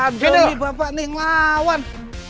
wah bandungi bapak nih ngelawan